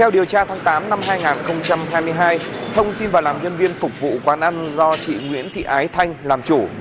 điều tra tháng tám năm hai nghìn hai mươi hai thông xin vào làm nhân viên phục vụ quán ăn do chị nguyễn thị ái thanh làm chủ